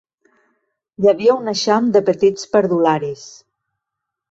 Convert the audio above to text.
Hi havia un eixam de petits perdularis